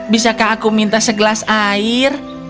bisakah aku minta segelas air